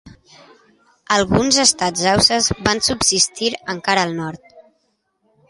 Alguns estats hausses van subsistir encara al nord.